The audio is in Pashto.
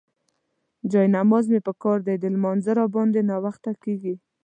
جاینماز مې پکار دی، د لمانځه راباندې ناوخته کيږي.